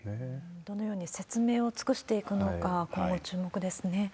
どのように説明を尽くしていくのか、今後、注目ですね。